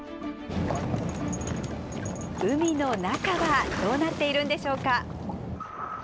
海の中はどうなっているんでしょうか？